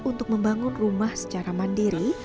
untuk membangun rumah secara mandiri